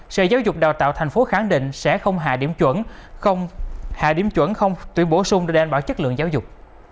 sở giáo dục đào tạo tp hcm khẳng định sẽ không hạ điểm chuẩn không tuyển bổ sung để đảm bảo chất lượng giáo dục